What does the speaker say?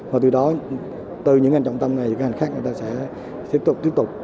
và từ đó từ những ngành trọng tâm này những ngành khác của chúng ta sẽ tiếp tục tiếp tục